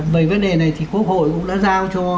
về vấn đề này thì quốc hội cũng đã giao cho